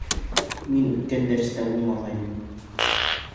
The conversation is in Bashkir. Мин үткән дәрестә булмағайным.